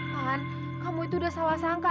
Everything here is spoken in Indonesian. kan kamu itu udah salah sangka